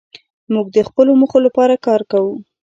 موږ د خپلو موخو لپاره کار کوو.